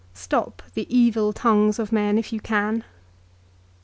Stop the evil tongues of men if you can.